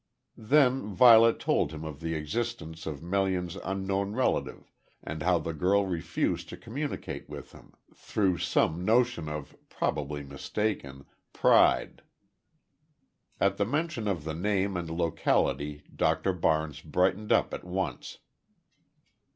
Then Violet told him of the existence of Melian's unknown relative and how the girl refused to communicate with him, through some notion of probably mistaken pride. At the mention of the name and locality Dr Barnes brightened up at once.